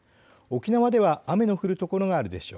沖縄では雨の降る所があるでしょう。